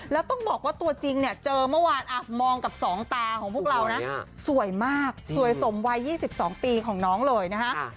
แล้วต้องบอกว่าตัวจริงเนี่ยเจอเมื่อวานมองกับสองตาของพวกเรานะสวยมากสวยสมวัย๒๒ปีของน้องเลยนะฮะ